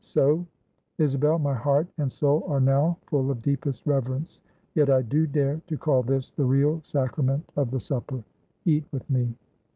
So: Isabel, my heart and soul are now full of deepest reverence; yet I do dare to call this the real sacrament of the supper. Eat with me."